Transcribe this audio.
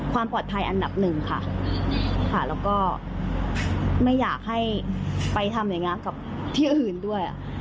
ความปลอดภัยอันดับหนึ่งค่ะค่ะแล้วก็ไม่อยากให้ไปทำอย่างนี้กับที่อื่นด้วย